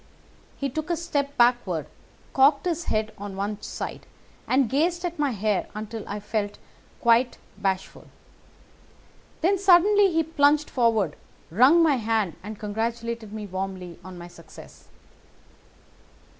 He took a step backward, cocked his head on one side, and gazed at my hair until I felt quite bashful. Then suddenly he plunged forward, wrung my hand, and congratulated me warmly on my success.